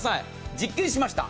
実験しました。